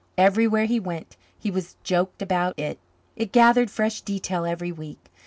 Everywhere he went he was joked about it. It gathered fresh detail every week.